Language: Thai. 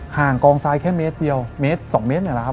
ห่างกองสายแค่เมตรเดียว๒เมตรหนึ่งแล้วครับ